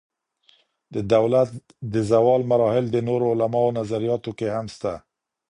د دولت د زوال مراحل د نورو علماؤ نظریاتو کي هم سته.